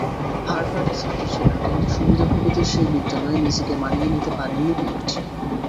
হার্ভাডের ছাত্র ছিলেন, কিন্তু সুবিধাভোগীদের সেই বিদ্যালয়ে নিজেকে মানিয়ে নিতে পারেননি পিট।